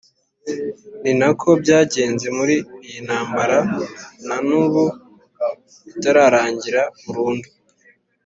ni nako byagenze muri iyi ntambara na n'ubu itararangira burundu.